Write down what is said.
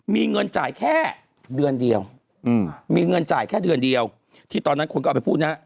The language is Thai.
มีเงินจ่ายแค่เดือนเดียวที่ตอนนั้นคนก็เอาไปพูดนะ